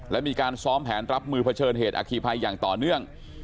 และมีการซ้อมแผนรับมือเผชิญเหตุอคีภัยอย่างต่อเนื่อง